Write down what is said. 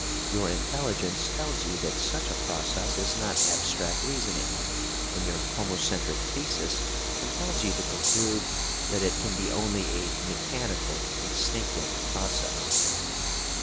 Your intelligence tells you that such a process is not abstract reasoning, and your homocentric thesis compels you to conclude that it can be only a mechanical, instinctive process.